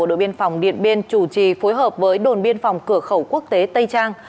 đội biên phòng điện biên chủ trì phối hợp với đồn biên phòng cửa khẩu quốc tế tây trang